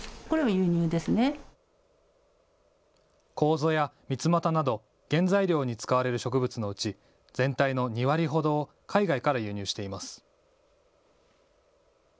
こうぞやみつまたなど原材料に使われる植物のうち全体の２割ほどを海外から輸入しています。